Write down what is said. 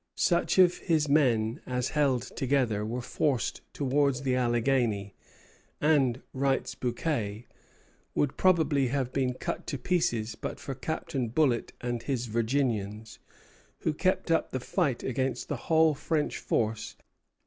Such of his men as held together were forced towards the Alleghany, and, writes Bouquet, "would probably have been cut to pieces but for Captain Bullitt and his Virginians, who kept up the fight against the whole French force till two thirds of them were killed."